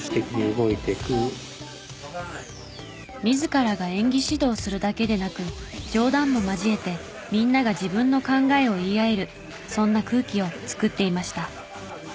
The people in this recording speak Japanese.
自らが演技指導するだけでなく冗談も交えてみんなが自分の考えを言い合えるそんな空気を作っていました。